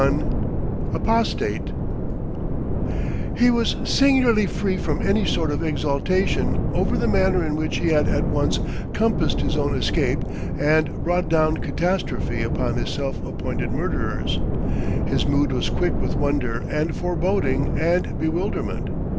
XXI APOSTATE He was singularly free from any sort of exultation over the manner in which he had at once compassed his own escape and brought down catastrophe upon his self appointed murderers; his mood was quick with wonder and foreboding and bewilderment.